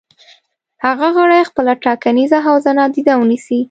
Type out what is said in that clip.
هغه غړي خپله ټاکنیزه حوزه نادیده ونیسي.